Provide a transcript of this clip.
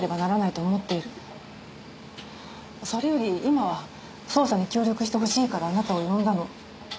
それより今は捜査に協力してほしいからあなたを呼んだの。